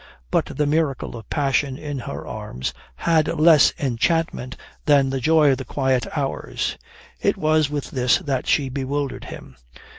But the miracle of passion in her arms had less enchantment than the joy of the quiet hours. It was with this that she bewildered him.